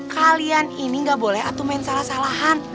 kalian ini nggak boleh menjalankan salah salahan